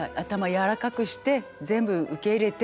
柔らかくして全部受け入れて。